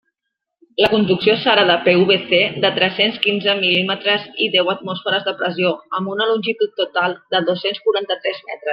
La conducció serà de PVC de tres-cents quinze mil·límetres i deu atmosferes de pressió amb una longitud total de dos-cents quaranta-tres metres.